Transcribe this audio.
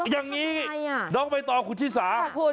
อย่างงี้นอกไปต่อคุณธิสา